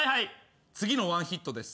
「次のワンヒットです」